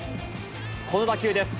この打球です。